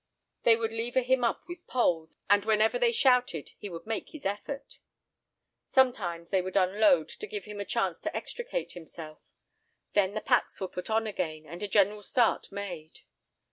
They would lever him up with poles, and whenever they shouted, he would make his effort. Sometimes they would unload, to give him a chance to extricate himself. Then the packs were put on again, and a general start made.